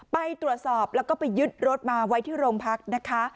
ไปตรวจสอบแล้วก็ไปยึดรถมาไว้ที่โรงพักนะคะ